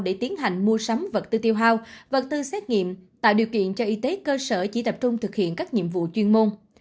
để tiến hành mua sắm vật tư tiêu hao vật tư xét nghiệm tạo điều kiện cho y tế cơ sở chỉ tập trung thực hiện các nhiệm vụ chuyên môn